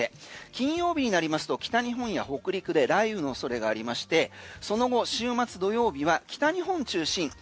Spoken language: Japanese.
金曜日になりますと北日本や北陸で雷雨のおそれがありましてその後、週末土曜日は北日本中心。